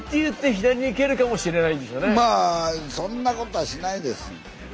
まあそんなことはしないです。